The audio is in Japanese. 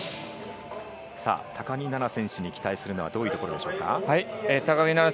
高木菜那選手に期待するのはどういうところですか？